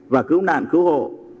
và cứu nạn cứu hộ